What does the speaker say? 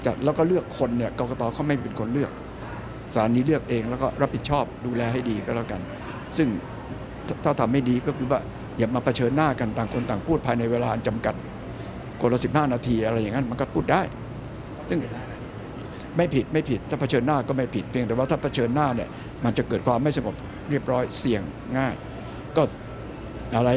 จากข่าวนะแต่ไม่รู้ว่าทำอะไรเห็นจากข่าวนะแต่ไม่รู้ว่าทำอะไรเห็นจากข่าวนะแต่ไม่รู้ว่าทำอะไรเห็นจากข่าวนะแต่ไม่รู้ว่าทำอะไรเห็นจากข่าวนะแต่ไม่รู้ว่าทำอะไรเห็นจากข่าวนะแต่ไม่รู้ว่าทำอะไรเห็นจากข่าวนะแต่ไม่รู้ว่าทำอะไรเห็นจากข่าวนะแต่ไม่รู้ว่าทำอะไรเห็นจากข่าวนะแต่ไม่รู้ว่าทำอะไรเห็นจากข่าวนะแต่ไม่รู้ว่าทำอะไรเห็นจากข่าวนะแต่ไม่